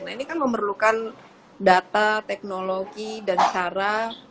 nah ini kan memerlukan data teknologi dan cara